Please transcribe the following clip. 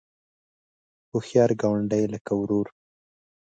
هوښیار ګاونډی لکه ورور